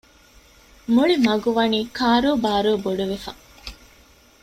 މުޅި މަގުވަނީ ކާރޫބާރޫ ބޮޑުވެފަ